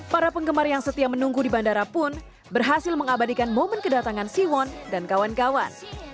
para penggemar yang setia menunggu di bandara pun berhasil mengabadikan momen kedatangan siwon dan kawan kawan